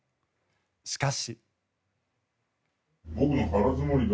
しかし。